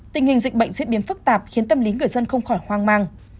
tình hình dịch bệnh diễn biến phức tạp khiến tâm lý người dân không khỏi hoang mang